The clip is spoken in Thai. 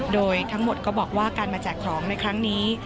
โดยทั้งหมดก็บอกว่าการมาแจกของในครั้งนี้